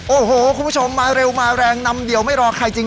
โอ้โหคุณผู้ชมมาเร็วมาแรงนำเดี่ยวไม่รอใครจริง